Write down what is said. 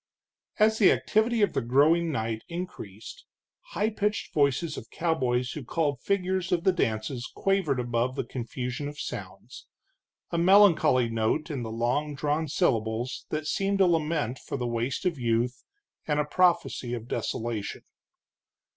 As the activity of the growing night increased, high pitched voices of cowboys who called figures of the dances quavered above the confusion of sounds, a melancholy note in the long drawn syllables that seemed a lament for the waste of youth, and a prophecy of desolation.